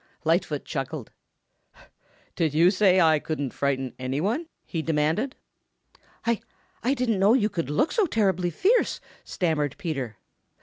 Lightfoot chuckled. "Did you say I couldn't frighten any one?" he demanded. "I I didn't know you could look so terribly fierce," stammered Peter.